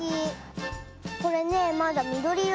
これねまだみどりいろだけどね。